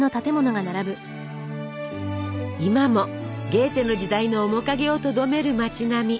今もゲーテの時代の面影をとどめる町並み。